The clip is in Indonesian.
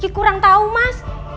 kiki kurang tahu mas